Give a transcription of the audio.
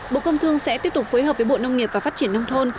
bộ công thương sẽ tiếp tục phối hợp với bộ nông nghiệp và phát triển nông thôn